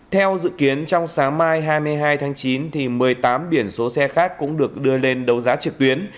theo dự kiến trong sáng mai hai mươi hai tháng chín một mươi tám biển số xe khác cũng được đưa lên đấu giá trực tuyến